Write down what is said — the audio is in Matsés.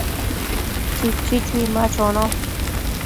Chichi chui ma chono